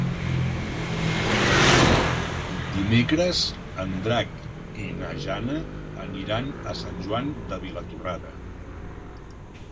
Dimecres en Drac i na Jana aniran a Sant Joan de Vilatorrada.